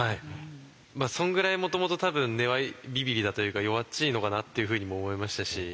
そんぐらいもともと多分根はビビりだというか弱っちいのかなっていうふうにも思いましたし。